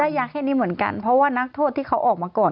ยาแค่นี้เหมือนกันเพราะว่านักโทษที่เขาออกมาก่อน